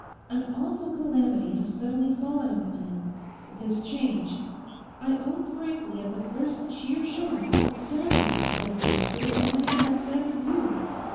An awful calamity has suddenly fallen upon him—this change. I own frankly at the first sheer shock it staggered me as I think for the moment it has staggered you.